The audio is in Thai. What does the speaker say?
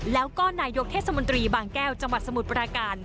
แล้วก็นายกเทศมนตรีบางแก้วจังหวัดสมุทรปราการ